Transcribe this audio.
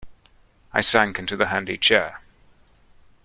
I sank into a handy chair.